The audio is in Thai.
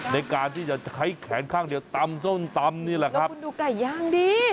ในการที่จะใช้แขนข้างเดียวตำส้มตำนี่แหละครับคุณดูไก่ย่างดิ